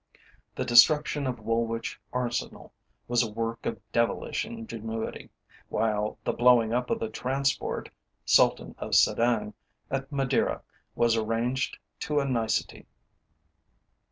The destruction of Woolwich Arsenal was a work of devilish ingenuity; while the blowing up of the transport Sultan of Sedang at Madeira was arranged to a nicety.